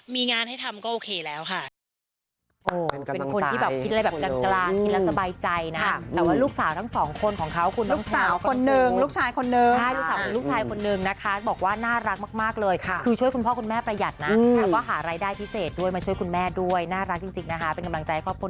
มีงานให้ทำก็โอเคแล้วค่ะ